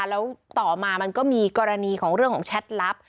แล้วต่อมามันก็มีกรณีของเรื่องของแชทลับ